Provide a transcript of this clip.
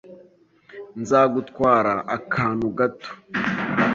Nzagutwara akantu gato.